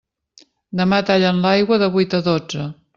Demà tallen l'aigua de vuit a dotze.